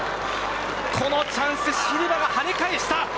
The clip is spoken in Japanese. このチャンスシルバがはね返した。